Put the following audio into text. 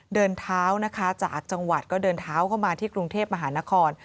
เดินเท้านะคะจากจังหวัดก็เดินเท้าเข้ามาที่กรุงเทพมหานคร